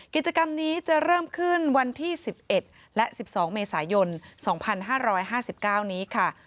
กิจกรรมนี้จะเริ่มขึ้นวันที่๑๑และ๑๒เมษายน๒๕๕๙นี้ค่ะ